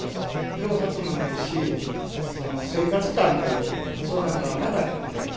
表札もないし、生活感という、そんなんがなかったんで。